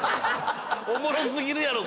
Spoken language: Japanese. おもろ過ぎるやろ！